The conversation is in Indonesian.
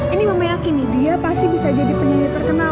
ini mama yakin nih dia pasti bisa jadi penyanyi terkenal